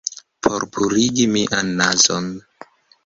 Por purigi mian nazon.